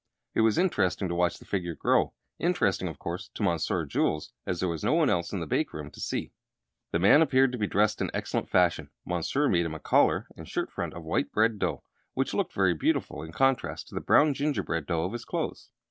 It was interesting to watch the figure grow: interesting, of course, to Monsieur Jules, as there was no one else in the bake room to see. The man appeared to be dressed in excellent fashion. Monsieur made him a collar and shirt front of white bread dough, which looked very beautiful in contrast to the brown gingerbread dough of his clothes.